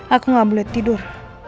aku gak boleh tidur